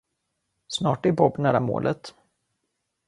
Snart är Bob nära målet.